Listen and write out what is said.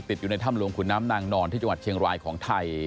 อยู่ในถ้ำหลวงขุนน้ำนางนอนที่จังหวัดเชียงรายของไทย